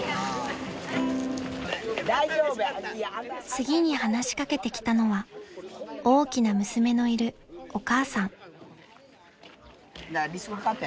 ［次に話し掛けてきたのは大きな娘のいるお母さん］